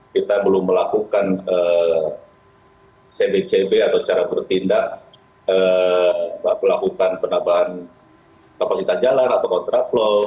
kita belum melakukan cb cb atau cara bertindak melakukan penambahan kapasitas jalan atau kontraplot